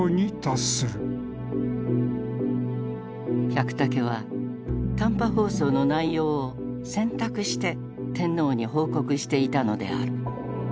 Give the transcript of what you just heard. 百武は短波放送の内容を選択して天皇に報告していたのである。